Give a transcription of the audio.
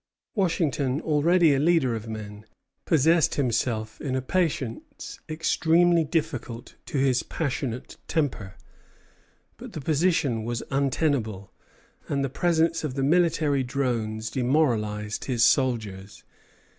Washington, already a leader of men, possessed himself in a patience extremely difficult to his passionate temper; but the position was untenable, and the presence of the military drones demoralized his soldiers.